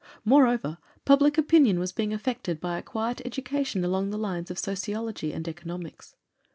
Moreover, public opinion was being affected by a quiet education along the lines of sociology and economics.